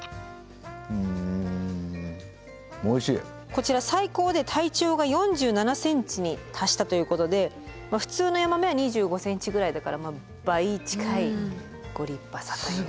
こちら最高で体長が４７センチに達したということで普通のヤマメは２５センチぐらいだからまあ倍近いご立派さという。